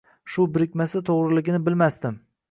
Shu birikmasi to‘g’riligini bilmasdim.